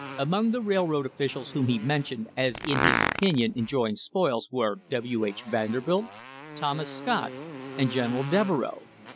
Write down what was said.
Among the railroad officials whom he mentioned as in his opinion enjoying spoils were W. H. Vanderbilt, Thomas Scott and General Devereux.